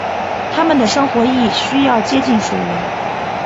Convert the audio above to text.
它们的生活亦需要接近水源。